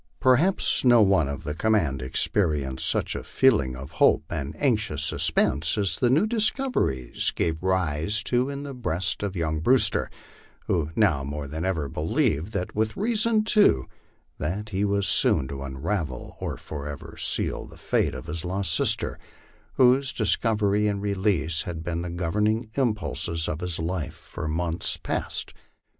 Perhaps no one of the command experienced such a feeling of hope and anxious suspense as the new discoveries gave rise to in the breast of young Brewster, who now more than ever believed, and with reason too, that he was soon to unravel or forever seal the fate of his lost sister, whose dis covery and release had been the governing impulses of his life for months past.